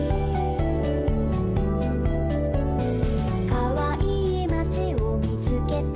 「かわいいまちをみつけたよ」